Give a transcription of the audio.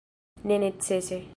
Ne necese.